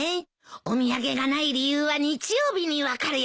お土産がない理由は日曜日に分かるよ。